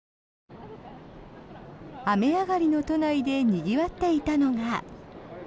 雨上がりの都内でにぎわっていたのが。